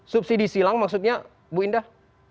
subsidi silang maksudnya bu indah